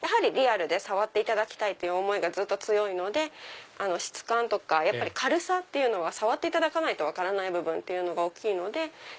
リアルで触っていただきたいという思いがずっと強いので質感とか軽さっていうのは触っていただかないと分からない部分が大きいので。